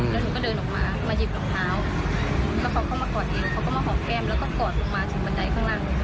แล้วหนูก็เดินออกมามาหยิบรองเท้าแล้วเขาเข้ามากอดเองเขาก็มาหอมแก้มแล้วก็กอดลงมาถึงบันไดข้างล่างเลยค่ะ